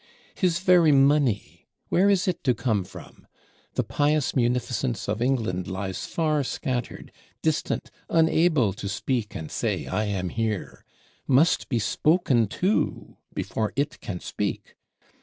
His very money, where is it to come from? The pious munificence of England lies far scattered, distant, unable to speak and say, "I am here"; must be spoken to before it can speak.